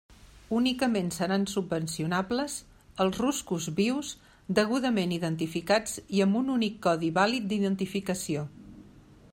Únicament seran subvencionables els ruscos vius degudament identificats i amb un únic codi vàlid d'identificació.